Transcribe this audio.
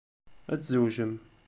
Ad tzewjem.